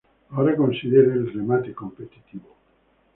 Ahora considere el remate competitivo.